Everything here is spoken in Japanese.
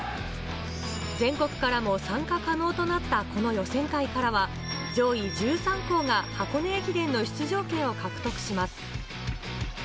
全国からも参加可能となったこの予選会からは上位１３校が箱根駅伝の出場権を獲得します。